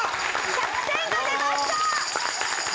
１００点が出ました。